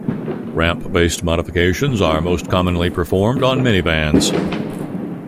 Ramp based modifications are most commonly performed on minivans.